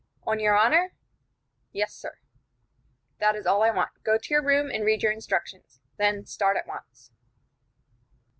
"On your honor?" "Yes, sir." "That is all I want. Go to your room, and read your instructions. Then start at once."